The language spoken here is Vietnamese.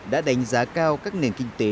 đã đánh giá cao các nền kinh tế